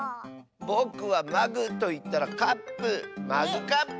ぼくは「まぐ」といったら「かっぷ」。「マグカップ」！